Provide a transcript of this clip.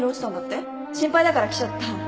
心配だから来ちゃった